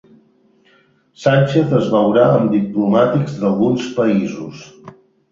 Sánchez es veurà amb diplomàtics d'alguns països